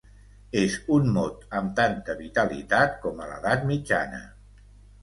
És un mot amb tanta vitalitat com a l'edat mitjana.